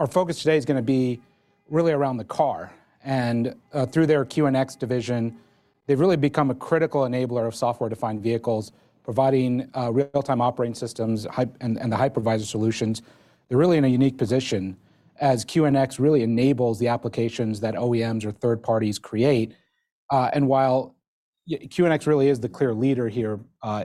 Our focus today is going to be really around the car. Through their QNX division, they've really become a critical enabler of software-defined vehicles, providing real-time operating systems and the hypervisor solutions. They're really in a unique position as QNX really enables the applications that OEMs or third parties create. While QNX really is the clear leader here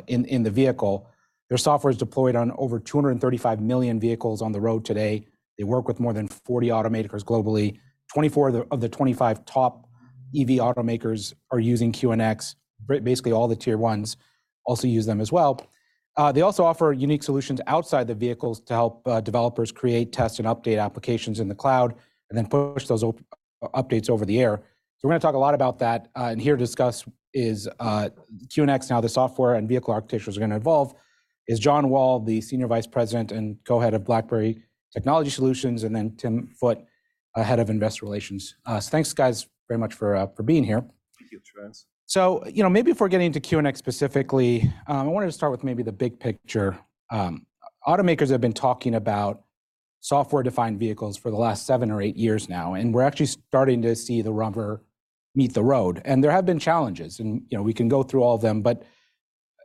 in the vehicle, their software is deployed on over 235 million vehicles on the road today. They work with more than 40 automakers globally. 24 of the 25 top EV automakers are using QNX. Basically, all the Tier 1s also use them as well. They also offer unique solutions outside the vehicles to help developers create, test, and update applications in the cloud and then push those updates over the air. So we're going to talk a lot about that. Here to discuss QNX, how the software and vehicle architectures are going to evolve, is John Wall, the Senior Vice President and Co-Head of BlackBerry Technology Solutions, and then Tim Foote, Head of Investor Relations. So thanks, guys, very much for being here. Thank you, [Shreyas]. So maybe before getting into QNX specifically, I wanted to start with maybe the big picture. Automakers have been talking about software-defined vehicles for the last seven or eight years now. We're actually starting to see the rubber meet the road. There have been challenges. We can go through all of them. But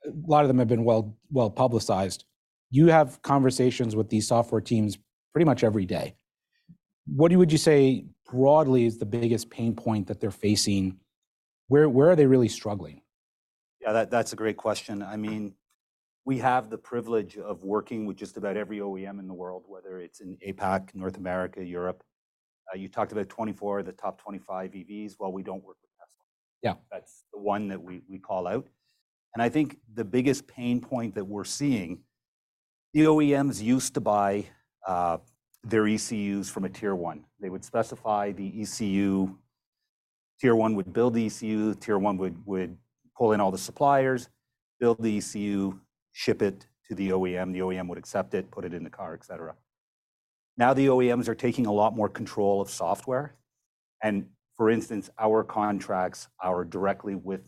a lot of them have been well publicized. You have conversations with these software teams pretty much every day. What would you say broadly is the biggest pain point that they're facing? Where are they really struggling? Yeah, that's a great question. I mean, we have the privilege of working with just about every OEM in the world, whether it's in APAC, North America, Europe. You talked about 24 of the top 25 EVs. Well, we don't work with Tesla. That's the one that we call out. And I think the biggest pain point that we're seeing, the OEMs used to buy their ECUs from a Tier 1. They would specify the ECU. Tier 1 would build the ECU. Tier 1 would pull in all the suppliers, build the ECU, ship it to the OEM. The OEM would accept it, put it in the car, et cetera. Now the OEMs are taking a lot more control of software. And for instance, our contracts are directly with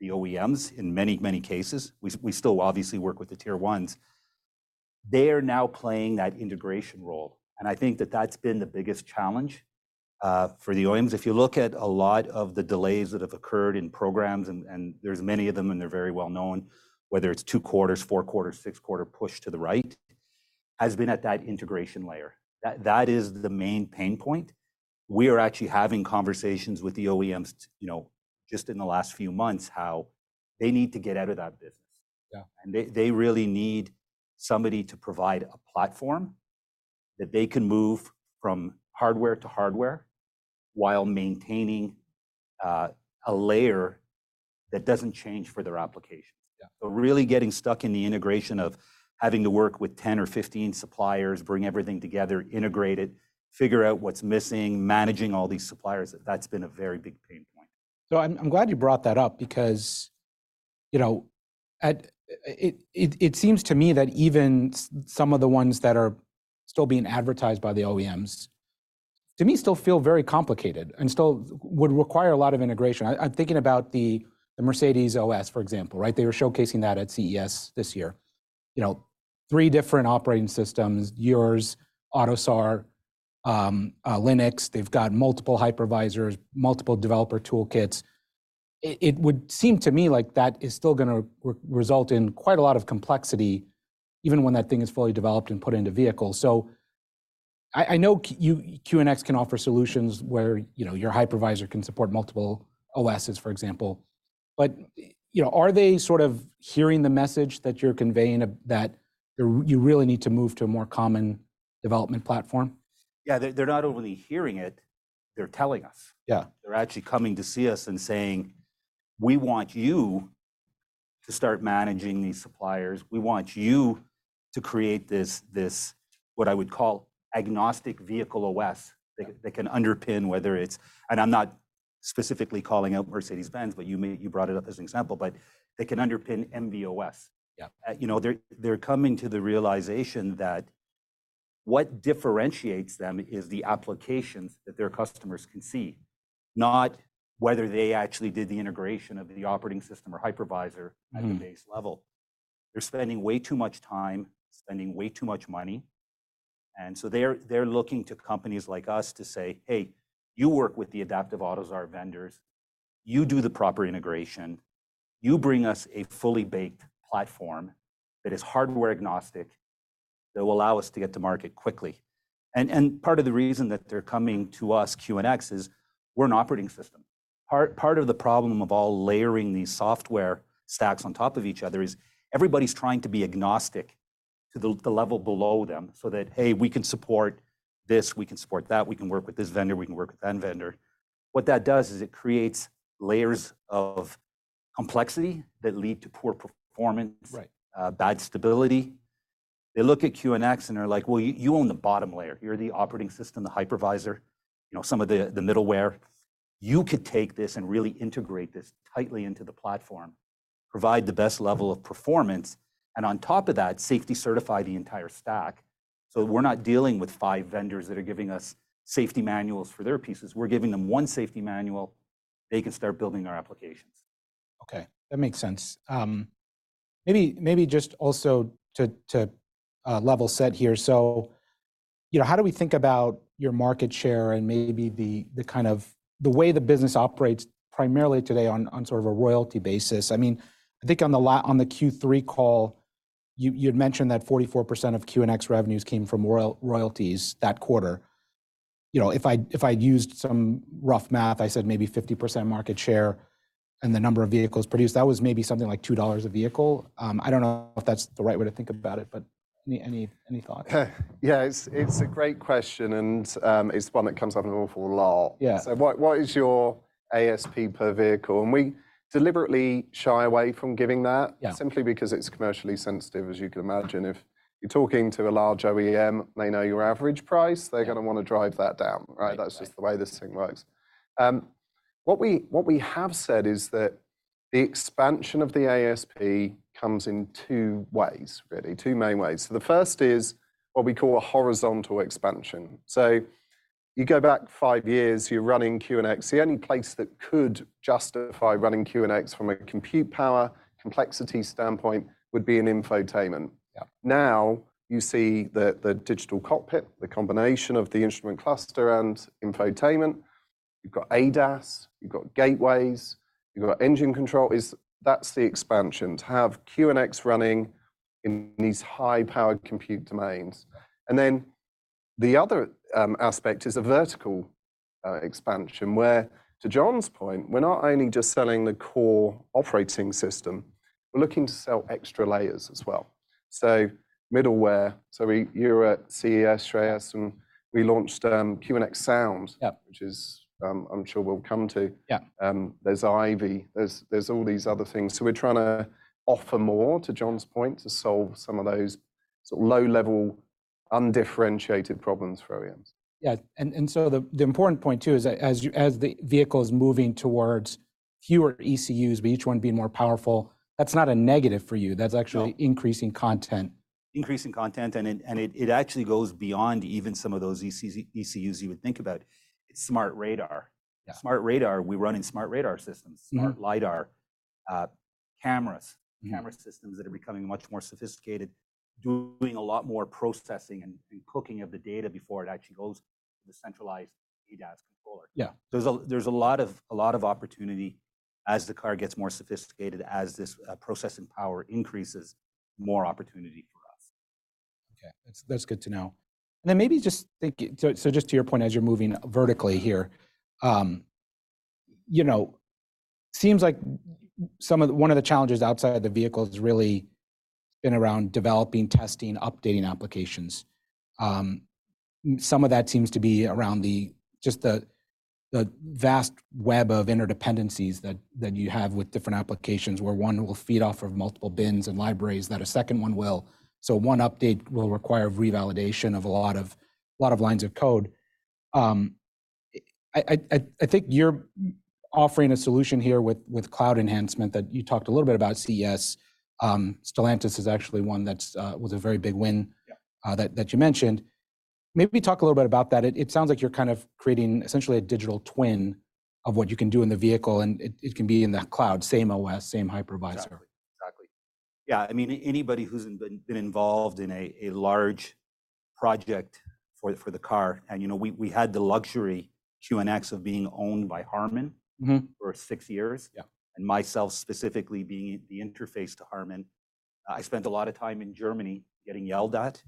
the OEMs in many, many cases. We still obviously work with the Tier 1s. They are now playing that integration role. I think that that's been the biggest challenge for the OEMs. If you look at a lot of the delays that have occurred in programs, and there's many of them and they're very well known, whether it's two-quarter, four-quarter, six-quarter push to the right, has been at that integration layer. That is the main pain point. We are actually having conversations with the OEMs just in the last few months how they need to get out of that business. They really need somebody to provide a platform that they can move from hardware to hardware while maintaining a layer that doesn't change for their applications. Really getting stuck in the integration of having to work with 10 or 15 suppliers, bring everything together, integrate it, figure out what's missing, managing all these suppliers, that's been a very big pain point. So I'm glad you brought that up because it seems to me that even some of the ones that are still being advertised by the OEMs, to me, still feel very complicated and still would require a lot of integration. I'm thinking about the Mercedes OS, for example, right? They were showcasing that at CES this year. Three different operating systems, yours, AUTOSAR, Linux. They've got multiple hypervisors, multiple developer toolkits. It would seem to me like that is still going to result in quite a lot of complexity even when that thing is fully developed and put into vehicles. So I know QNX can offer solutions where your hypervisor can support multiple OSes, for example. But are they sort of hearing the message that you're conveying that you really need to move to a more common development platform? Yeah, they're not only hearing it, they're telling us. They're actually coming to see us and saying, "We want you to start managing these suppliers. We want you to create this, what I would call, agnostic vehicle OS that can underpin whether it's" and I'm not specifically calling out Mercedes-Benz, but you brought it up as an example. But they can underpin MB.OS. They're coming to the realization that what differentiates them is the applications that their customers can see, not whether they actually did the integration of the operating system or hypervisor at the base level. They're spending way too much time, spending way too much money. And so they're looking to companies like us to say, "Hey, you work with the adaptive AUTOSAR vendors. You do the proper integration. You bring us a fully baked platform that is hardware-agnostic that will allow us to get to market quickly." Part of the reason that they're coming to us, QNX, is we're an operating system. Part of the problem of all layering these software stacks on top of each other is everybody's trying to be agnostic to the level below them so that, "Hey, we can support this. We can support that. We can work with this vendor. We can work with that vendor." What that does is it creates layers of complexity that lead to poor performance, bad stability. They look at QNX and they're like, "Well, you own the bottom layer. Here are the operating system, the hypervisor, some of the middleware. You could take this and really integrate this tightly into the platform, provide the best level of performance, and on top of that, safety certify the entire stack so we're not dealing with five vendors that are giving us safety manuals for their pieces. We're giving them one safety manual. They can start building our applications. Okay. That makes sense. Maybe just also to level set here, so how do we think about your market share and maybe the kind of the way the business operates primarily today on sort of a royalty basis? I mean, I think on the Q3 call, you had mentioned that 44% of QNX revenues came from royalties that quarter. If I'd used some rough math, I said maybe 50% market share and the number of vehicles produced, that was maybe something like $2 a vehicle. I don't know if that's the right way to think about it, but any thoughts? Yeah, it's a great question. And it's one that comes up an awful lot. So what is your ASP per vehicle? And we deliberately shy away from giving that simply because it's commercially sensitive, as you can imagine. If you're talking to a large OEM, they know your average price. They're going to want to drive that down, right? That's just the way this thing works. What we have said is that the expansion of the ASP comes in two ways, really, two main ways. So the first is what we call a horizontal expansion. So you go back five years, you're running QNX. The only place that could justify running QNX from a compute power complexity standpoint would be an infotainment. Now you see the Digital Cockpit, the combination of the instrument cluster and infotainment. You've got ADAS. You've got gateways. You've got engine control. That's the expansion, to have QNX running in these high-powered compute domains. And then the other aspect is a vertical expansion where, to John's point, we're not only just selling the core operating system, we're looking to sell extra layers as well. So middleware. So you're at CES, Shreyas, and we launched QNX Sound, which I'm sure we'll come to. There's IVY. There's all these other things. So we're trying to offer more, to John's point, to solve some of those sort of low-level, undifferentiated problems for OEMs. Yeah. And so the important point, too, is as the vehicle is moving towards fewer ECUs, but each one being more powerful, that's not a negative for you. That's actually increasing content. Increasing content. It actually goes beyond even some of those ECUs you would think about. It's smart radar. Smart radar. We run in smart radar systems, smart LiDAR cameras, camera systems that are becoming much more sophisticated, doing a lot more processing and cooking of the data before it actually goes to the centralized ADAS controller. So there's a lot of opportunity as the car gets more sophisticated, as this processing power increases, more opportunity for us. Okay. That's good to know. And then maybe just think, so just to your point, as you're moving vertically here, it seems like one of the challenges outside the vehicle has really been around developing, testing, updating applications. Some of that seems to be around just the vast web of interdependencies that you have with different applications where one will feed off of multiple bins and libraries that a second one will. So one update will require revalidation of a lot of lines of code. I think you're offering a solution here with cloud enhancement that you talked a little bit about at CES. Stellantis is actually one that was a very big win that you mentioned. Maybe talk a little bit about that. It sounds like you're kind of creating essentially a digital twin of what you can do in the vehicle. It can be in the cloud, same OS, same hypervisor. Exactly. Yeah. I mean, anybody who's been involved in a large project for the car and we had the luxury of QNX being owned by Harman for six years and myself specifically being the interface to Harman, I spent a lot of time in Germany getting yelled at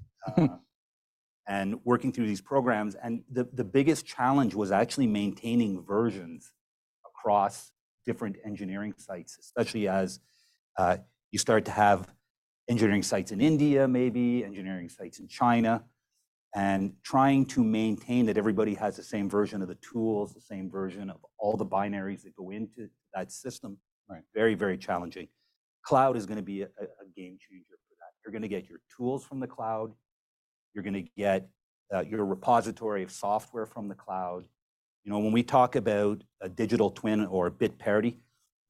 and working through these programs. And the biggest challenge was actually maintaining versions across different engineering sites, especially as you start to have engineering sites in India, maybe engineering sites in China, and trying to maintain that everybody has the same version of the tools, the same version of all the binaries that go into that system. Very, very challenging. Cloud is going to be a game changer for that. You're going to get your tools from the cloud. You're going to get your repository of software from the cloud. When we talk about a digital twin or a bit parity,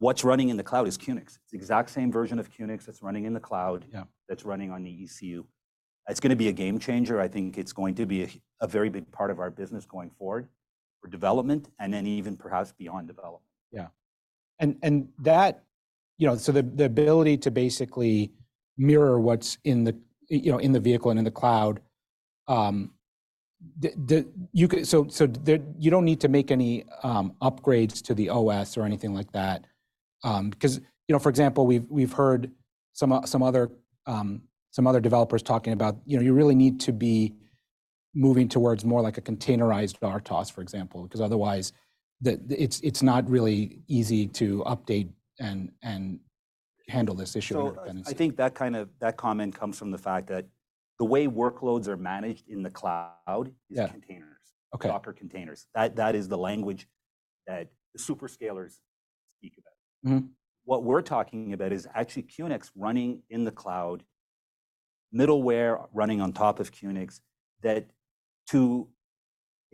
what's running in the cloud is QNX. It's the exact same version of QNX that's running in the cloud that's running on the ECU. It's going to be a game changer. I think it's going to be a very big part of our business going forward for development and then even perhaps beyond development. Yeah. And so the ability to basically mirror what's in the vehicle and in the cloud, so you don't need to make any upgrades to the OS or anything like that. Because, for example, we've heard some other developers talking about you really need to be moving towards more like a containerized RTOS, for example, because otherwise it's not really easy to update and handle this issue with dependencies. So I think that comment comes from the fact that the way workloads are managed in the cloud is containers, Docker containers. That is the language that the super scalers speak about. What we're talking about is actually QNX running in the cloud, middleware running on top of QNX that to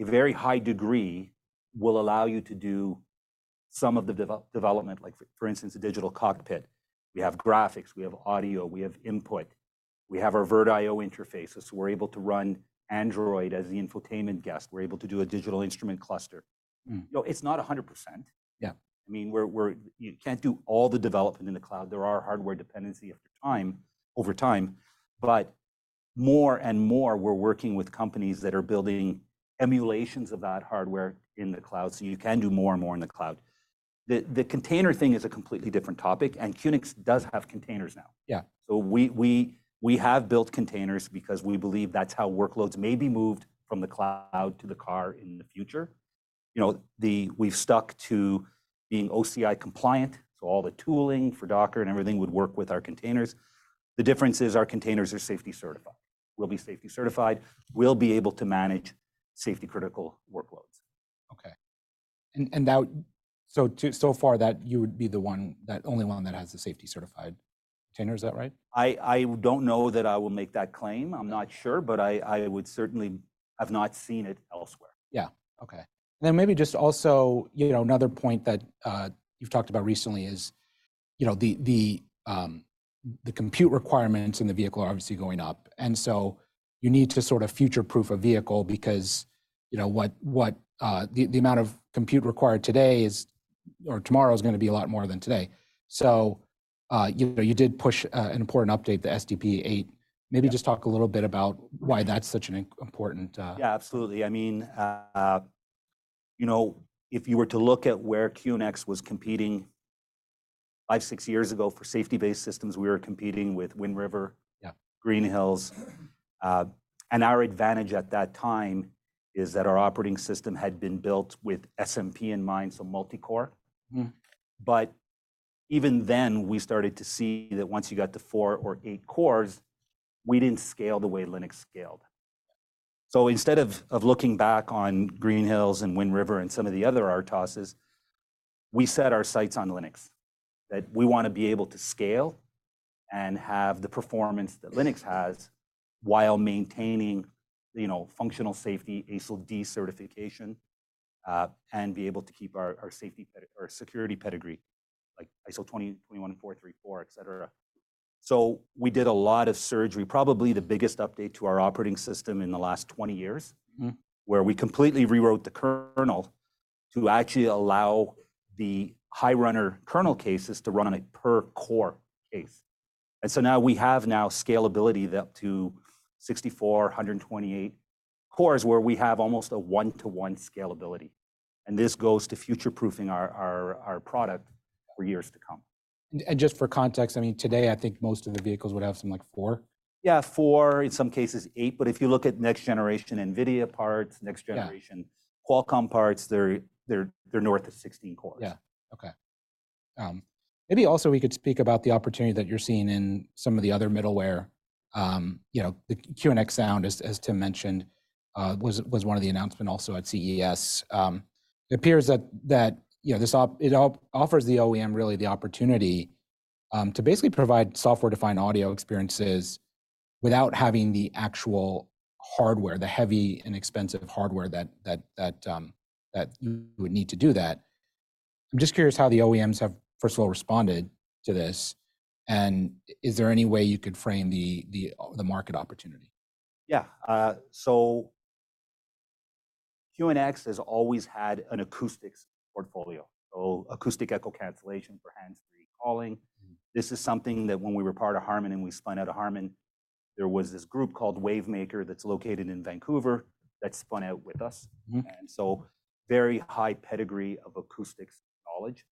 a very high degree will allow you to do some of the development. For instance, a digital cockpit. We have graphics. We have audio. We have input. We have our VirtIO interface. So we're able to run Android as the infotainment guest. We're able to do a digital instrument cluster. It's not 100%. I mean, you can't do all the development in the cloud. There are hardware dependencies over time. But more and more we're working with companies that are building emulations of that hardware in the cloud. So you can do more and more in the cloud. The container thing is a completely different topic. QNX does have containers now. We have built containers because we believe that's how workloads may be moved from the cloud to the car in the future. We've stuck to being OCI compliant. All the tooling for Docker and everything would work with our containers. The difference is our containers are safety certified. We'll be safety certified. We'll be able to manage safety-critical workloads. Okay. And so far that you would be the only one that has the safety certified container. Is that right? I don't know that I will make that claim. I'm not sure. But I would certainly have not seen it elsewhere. Yeah. Okay. And then maybe just also another point that you've talked about recently is the compute requirements in the vehicle are obviously going up. And so you need to sort of future-proof a vehicle because the amount of compute required today or tomorrow is going to be a lot more than today. So you did push an important update, the SDP-8. Maybe just talk a little bit about why that's such an important? Yeah, absolutely. I mean, if you were to look at where QNX was competing five, six years ago for safety-based systems, we were competing with Wind River, Green Hills. And our advantage at that time is that our operating system had been built with SMP in mind, so multi-core. But even then we started to see that once you got to four or eight cores, we didn't scale the way Linux scaled. So instead of looking back on Green Hills and Wind River and some of the other RTOSes, we set our sights on Linux, that we want to be able to scale and have the performance that Linux has while maintaining functional safety, ISO 26262 certification, and be able to keep our security pedigree like ISO 21434, etc. We did a lot of surgery, probably the biggest update to our operating system in the last 20 years where we completely rewrote the kernel to actually allow the high-runner kernel cases to run on a per-core case. Now we have now scalability up to 64, 128 cores where we have almost a one-to-one scalability. This goes to future-proofing our product for years to come. Just for context, I mean, today, I think most of the vehicles would have some like four. Yeah, four. In some cases, eight. But if you look at next-generation NVIDIA parts, next-generation Qualcomm parts, they're north of 16 cores. Yeah. Okay. Maybe also we could speak about the opportunity that you're seeing in some of the other middleware. The QNX Sound, as Tim mentioned, was one of the announcements also at CES. It appears that it offers the OEM really the opportunity to basically provide software-defined audio experiences without having the actual hardware, the heavy and expensive hardware that you would need to do that. I'm just curious how the OEMs have, first of all, responded to this. And is there any way you could frame the market opportunity? Yeah. So QNX has always had an acoustics portfolio, so acoustic echo cancellation for hands-free calling. This is something that when we were part of Harman and we spun out of Harman, there was this group called Wavemaker that's located in Vancouver that spun out with us. And so very high pedigree of acoustics knowledge.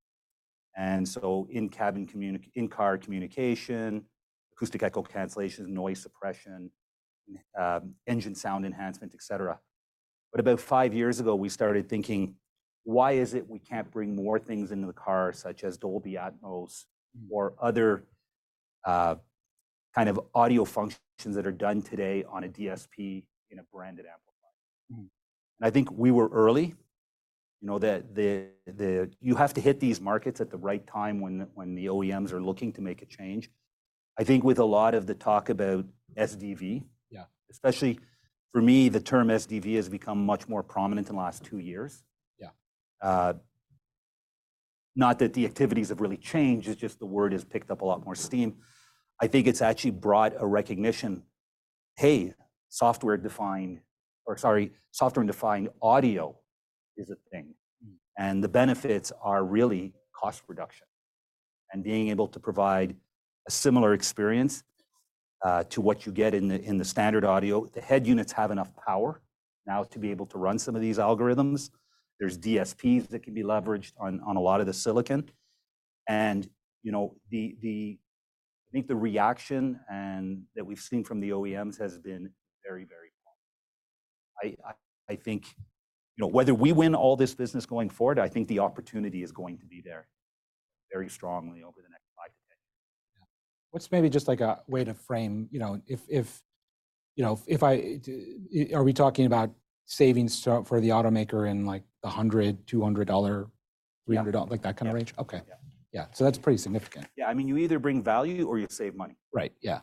And so in-car communication, acoustic echo cancellation, noise suppression, engine sound enhancement, etc. But about five years ago, we started thinking, why is it we can't bring more things into the car such as Dolby Atmos or other kind of audio functions that are done today on a DSP in a branded amplifier? And I think we were early. You have to hit these markets at the right time when the OEMs are looking to make a change. I think with a lot of the talk about SDV, especially for me, the term SDV has become much more prominent in the last two years. Not that the activities have really changed. It's just the word has picked up a lot more steam. I think it's actually brought a recognition, hey, software-defined or sorry, software-defined audio is a thing. And the benefits are really cost reduction and being able to provide a similar experience to what you get in the standard audio. The head units have enough power now to be able to run some of these algorithms. There's DSPs that can be leveraged on a lot of the silicon. And I think the reaction that we've seen from the OEMs has been very, very positive. I think whether we win all this business going forward, I think the opportunity is going to be there very strongly over the next five to 10 years. Yeah. What's maybe just like a way to frame if we are talking about savings for the automaker in like the $100, $200, $300, like that kind of range? Yeah. Okay. Yeah. So that's pretty significant. Yeah. I mean, you either bring value or you save money. Right. Yeah.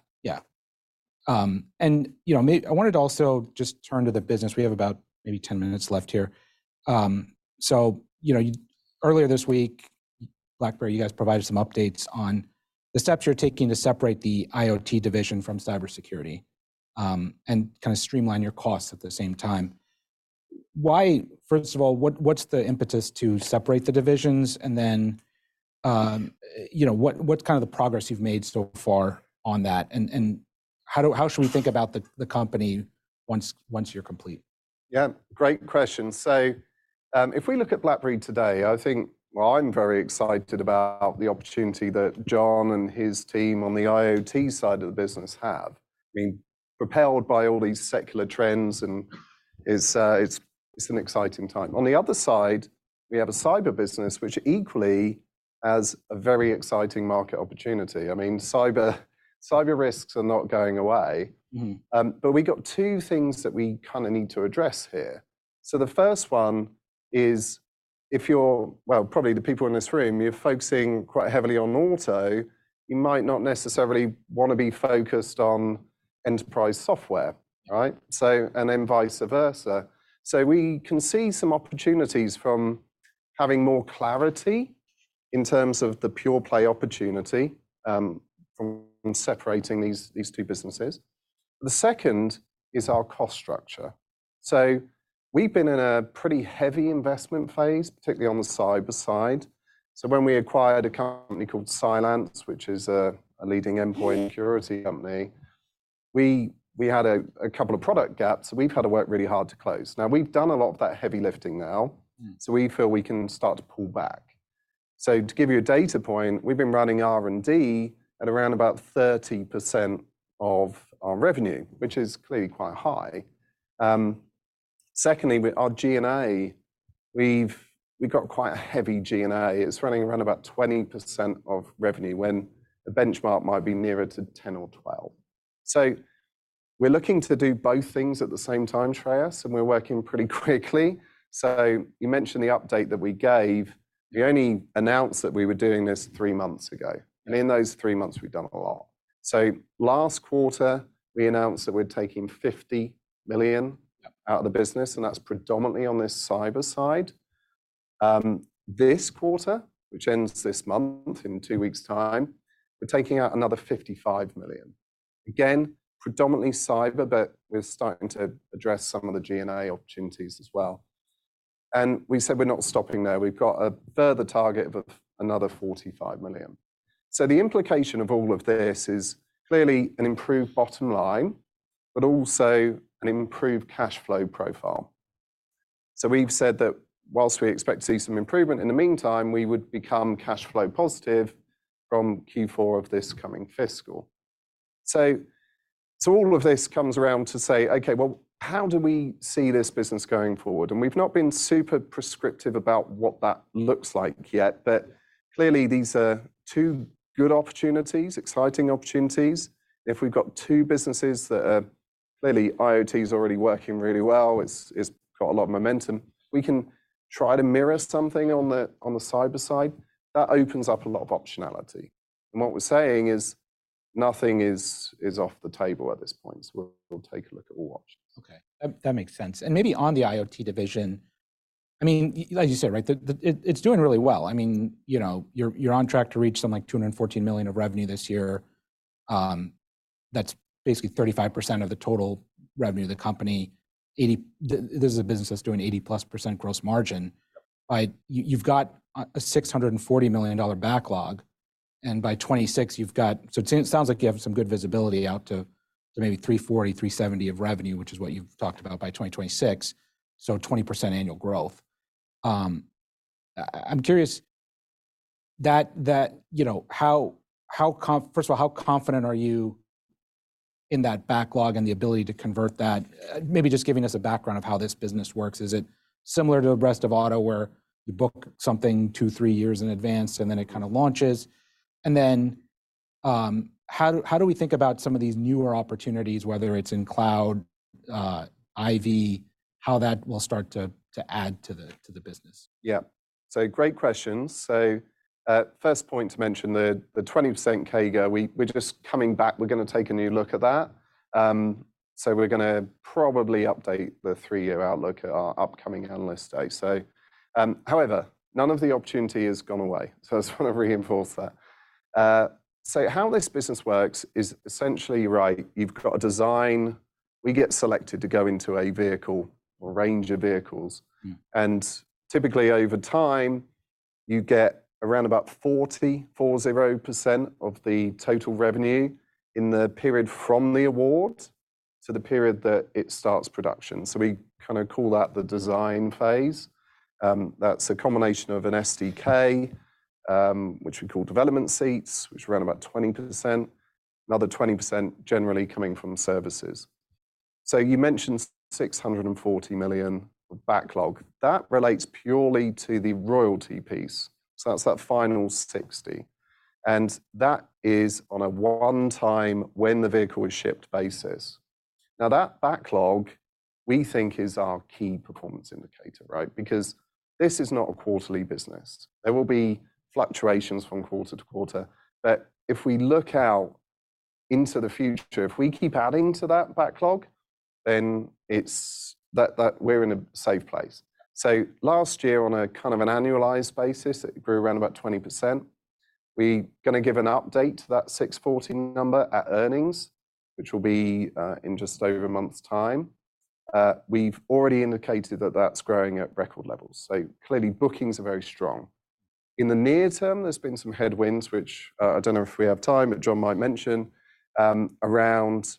And I wanted to also just turn to the business. We have about maybe 10 minutes left here. So earlier this week, BlackBerry, you guys provided some updates on the steps you're taking to separate the IoT division from cybersecurity and kind of streamline your costs at the same time. First of all, what's the impetus to separate the divisions? And then what's kind of the progress you've made so far on that? And how should we think about the company once you're complete? Yeah. Great question. So if we look at BlackBerry today, I think, well, I'm very excited about the opportunity that John and his team on the IoT side of the business have. I mean, propelled by all these secular trends, it's an exciting time. On the other side, we have a cyber business which equally has a very exciting market opportunity. I mean, cyber risks are not going away. But we got two things that we kind of need to address here. So the first one is if you're well, probably the people in this room, you're focusing quite heavily on auto, you might not necessarily want to be focused on enterprise software, right? And then vice versa. So we can see some opportunities from having more clarity in terms of the pure-play opportunity from separating these two businesses. The second is our cost structure. So we've been in a pretty heavy investment phase, particularly on the cyber side. So when we acquired a company called Cylance, which is a leading endpoint security company, we had a couple of product gaps. So we've had to work really hard to close. Now, we've done a lot of that heavy lifting now. So we feel we can start to pull back. So to give you a data point, we've been running R&D at around about 30% of our revenue, which is clearly quite high. Secondly, our G&A, we've got quite a heavy G&A. It's running around about 20% of revenue when the benchmark might be nearer to 10 or 12. So we're looking to do both things at the same time, Treyas. And we're working pretty quickly. So you mentioned the update that we gave. We only announced that we were doing this three months ago. In those three months, we've done a lot. Last quarter, we announced that we're taking $50 million out of the business. That's predominantly on this cyber side. This quarter, which ends this month, in two weeks' time, we're taking out another $55 million, again, predominantly cyber. We're starting to address some of the G&A opportunities as well. We said we're not stopping there. We've got a further target of another $45 million. The implication of all of this is clearly an improved bottom line, but also an improved cash flow profile. We've said that while we expect to see some improvement, in the meantime, we would become cash flow positive from Q4 of this coming fiscal. All of this comes around to say, OK, well, how do we see this business going forward? We've not been super prescriptive about what that looks like yet. Clearly, these are two good opportunities, exciting opportunities. If we've got two businesses that are clearly IoT is already working really well. It's got a lot of momentum. We can try to mirror something on the cyber side. That opens up a lot of optionality. What we're saying is nothing is off the table at this point. We'll take a look at all options. Okay. That makes sense. And maybe on the IoT division, I mean, like you said, right, it's doing really well. I mean, you're on track to reach some like $214 million of revenue this year. That's basically 35% of the total revenue of the company. This is a business that's doing 80%+ gross margin. But you've got a $640 million backlog. And by 2026, you've got so it sounds like you have some good visibility out to maybe $340-$370 of revenue, which is what you've talked about by 2026, so 20% annual growth. I'm curious how first of all, how confident are you in that backlog and the ability to convert that? Maybe just giving us a background of how this business works. Is it similar to the rest of auto where you book something two to three years in advance, and then it kind of launches? How do we think about some of these newer opportunities, whether it's in cloud, IV, how that will start to add to the business? Yeah. So great questions. So first point to mention, the 20% CAGR, we're just coming back. We're going to take a new look at that. So we're going to probably update the three-year outlook at our upcoming analyst day. However, none of the opportunity has gone away. So I just want to reinforce that. So how this business works is essentially right. You've got a design. We get selected to go into a vehicle or range of vehicles. And typically, over time, you get around about 40% of the total revenue in the period from the award to the period that it starts production. So we kind of call that the design phase. That's a combination of an SDK, which we call development seats, which are around about 20%, another 20% generally coming from services. So you mentioned $640 million of backlog. That relates purely to the royalty piece. So that's that final 60. And that is on a one-time, when the vehicle is shipped, basis. Now, that backlog, we think, is our key performance indicator, right? Because this is not a quarterly business. There will be fluctuations from quarter-to-quarter. But if we look out into the future, if we keep adding to that backlog, then we're in a safe place. So last year, on a kind of an annualized basis, it grew around about 20%. We're going to give an update to that 640 number at earnings, which will be in just over a month's time. We've already indicated that that's growing at record levels. So clearly, bookings are very strong. In the near term, there's been some headwinds, which I don't know if we have time, but John might mention, around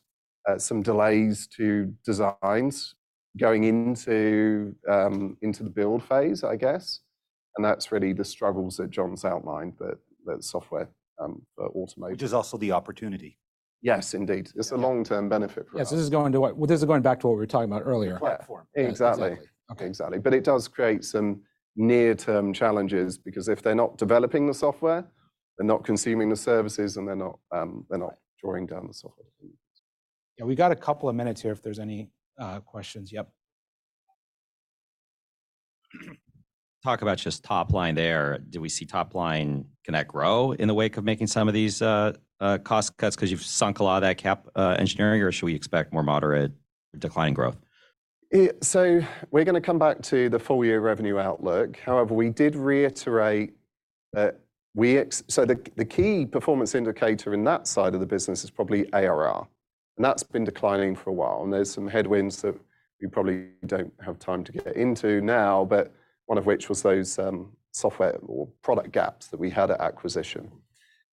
some delays to designs going into the build phase, I guess. That's really the struggles that John's outlined that software for automation. Which is also the opportunity. Yes, indeed. It's a long-term benefit for us. Yes. This is going to what? This is going back to what we were talking about earlier. Platform. Exactly. But it does create some near-term challenges because if they're not developing the software, they're not consuming the services, and they're not drawing down the software dependencies. Yeah. We got a couple of minutes here if there's any questions. Yep. Talk about just top line there. Do we see top line connect grow in the wake of making some of these cost cuts? Because you've sunk a lot of that cap engineering. Or should we expect more moderate declining growth? So we're going to come back to the full-year revenue outlook. However, we did reiterate that, so the key performance indicator in that side of the business is probably ARR. And that's been declining for a while. And there's some headwinds that we probably don't have time to get into now, but one of which was those software or product gaps that we had at acquisition.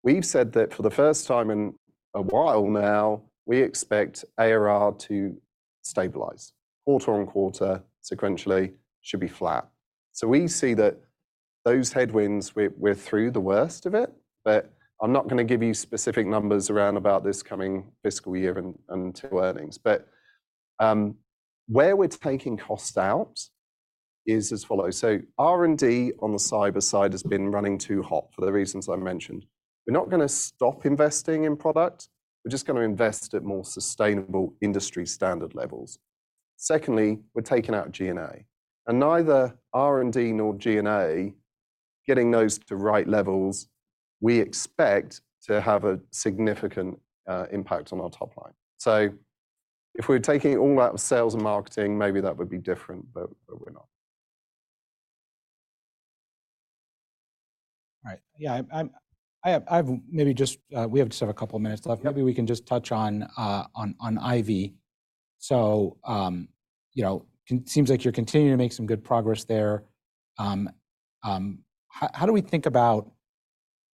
We've said that for the first time in a while now, we expect ARR to stabilize quarter-over-quarter, sequentially, should be flat. So we see that those headwinds, we're through the worst of it. But I'm not going to give you specific numbers around about this coming fiscal year until earnings. But where we're taking cost out is as follows. So R&D on the cyber side has been running too hot for the reasons I mentioned. We're not going to stop investing in product. We're just going to invest at more sustainable industry standard levels. Secondly, we're taking out G&A. Neither R&D nor G&A, getting those to right levels, we expect to have a significant impact on our top line. So if we were taking it all out of sales and marketing, maybe that would be different. But we're not. All right. Yeah. We have just a couple of minutes left. Maybe we can just touch on IVY. So it seems like you're continuing to make some good progress there. How do we think about,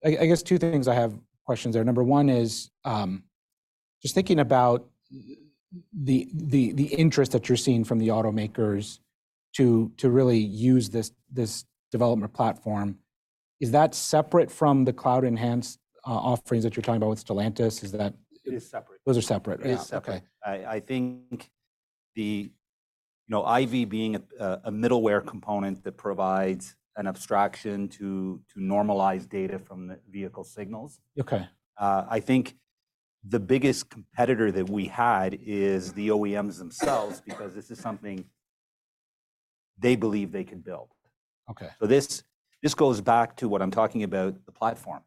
I guess, two things? I have questions there. Number one is just thinking about the interest that you're seeing from the automakers to really use this development platform. Is that separate from the cloud-enhanced offerings that you're talking about with Stellantis? Is that. It is separate. Those are separate, right? It is separate. I think the IVY being a middleware component that provides an abstraction to normalize data from the vehicle signals. I think the biggest competitor that we had is the OEMs themselves because this is something they believe they can build. So this goes back to what I'm talking about, the platform.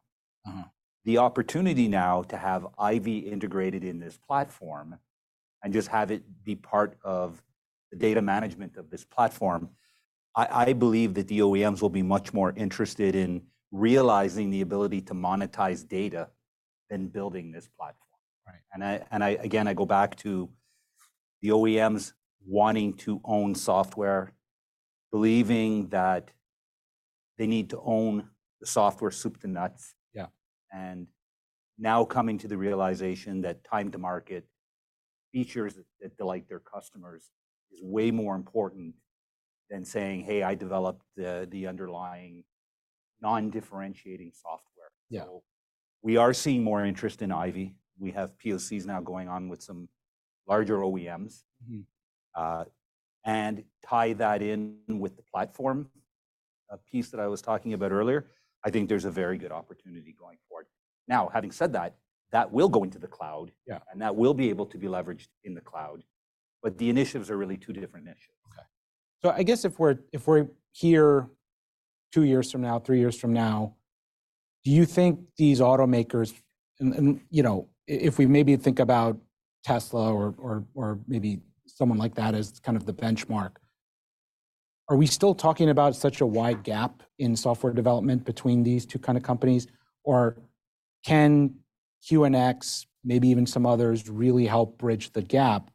The opportunity now to have IVY integrated in this platform and just have it be part of the data management of this platform, I believe that the OEMs will be much more interested in realizing the ability to monetize data than building this platform. And again, I go back to the OEMs wanting to own software, believing that they need to own the software soup to nuts. And now coming to the realization that time to market, features that delight their customers is way more important than saying, hey, I developed the underlying non-differentiating software. We are seeing more interest in IVY. We have POCs now going on with some larger OEMs. Tie that in with the platform piece that I was talking about earlier. I think there's a very good opportunity going forward. Now, having said that, that will go into the cloud. That will be able to be leveraged in the cloud. The initiatives are really two different initiatives. Okay. So I guess if we're here two years from now, three years from now, do you think these automakers and if we maybe think about Tesla or maybe someone like that as kind of the benchmark, are we still talking about such a wide gap in software development between these two kind of companies? Or can QNX, maybe even some others, really help bridge the gap,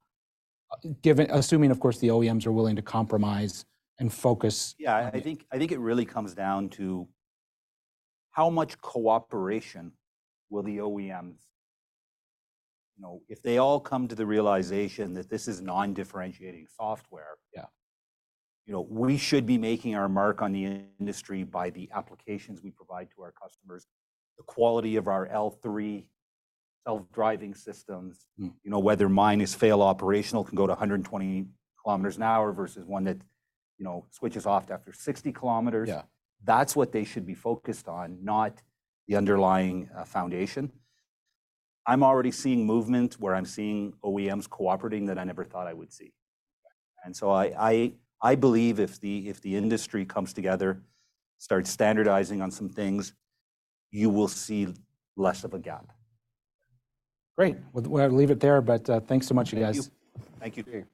assuming, of course, the OEMs are willing to compromise and focus? Yeah. I think it really comes down to how much cooperation will the OEMs if they all come to the realization that this is non-differentiating software, we should be making our mark on the industry by the applications we provide to our customers, the quality of our L3 self-driving systems, whether minus fail operational can go to 120 km/hr versus one that switches off after 60 km. That's what they should be focused on, not the underlying foundation. I'm already seeing movement where I'm seeing OEMs cooperating that I never thought I would see. So I believe if the industry comes together, starts standardizing on some things, you will see less of a gap. Great. We'll leave it there. Thanks so much, you guys. Thank you, too.